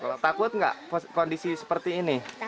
kalau takut nggak kondisi seperti ini